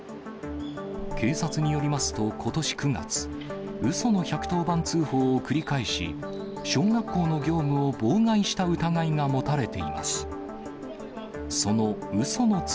警察によりますと、ことし９月、うその１１０番通報を繰り返し、小学校の業務を妨害した疑いが持たれています。